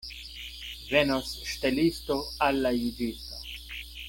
Venos ŝtelisto al la juĝisto.